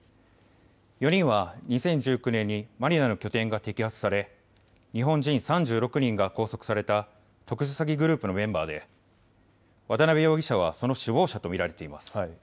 ４人は２０１９年にマニラの拠点が摘発され日本人３６人が拘束された特殊詐欺グループのメンバーで渡邉容疑者はその首謀者と見られています。